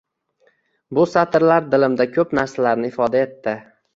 Bu satrlar dilimda ko‘p narsalarni ifoda etdi.